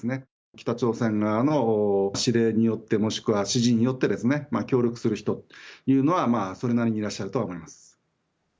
北朝鮮側の指令によって、もしくは指示によって、協力する人というのはそれなりにいらっしゃるとは思います。